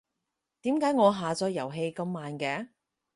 點解我下載遊戲咁慢嘅？